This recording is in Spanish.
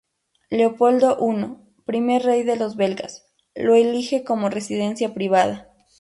Leopoldo I, primer rey de los belgas, lo elige como residencia privada.